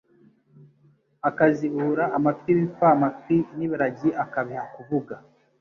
akazibura amatwi y'ibipfamatwi n'ibiragi akabiha kuvuga